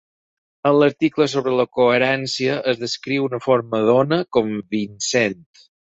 En l'article sobre la coherència es descriu una forma d'ona convincent.